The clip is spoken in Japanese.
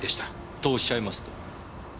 とおっしゃいますと？